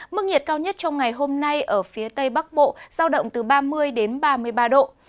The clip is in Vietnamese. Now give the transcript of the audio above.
mức nhiệt cao nhất trong ngày hôm nay ở phía tây bắc bộ giao động từ ba mươi đến ba mươi ba độ